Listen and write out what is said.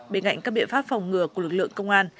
bên cạnh các biện pháp phòng ngừa của lực lượng công an